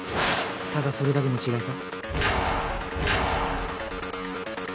ただそれだけの違いさ。